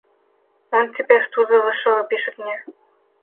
Он теперь в тузы вышел и пишет мне.